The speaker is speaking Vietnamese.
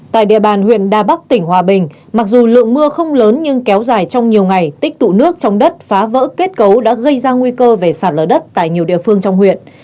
tại địa bàn huyện đà bắc tỉnh hòa bình mặc dù lượng mưa không lớn nhưng kéo dài trong nhiều ngày tích tụ nước trong đất phá vỡ kết cấu đã gây ra nguy cơ về sạt lở đất tại nhiều địa phương trong huyện